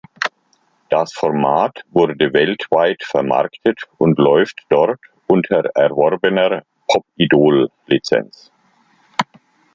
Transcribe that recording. Das Format wurde weltweit vermarktet und läuft dort unter erworbener "Pop-Idol"-Lizenz.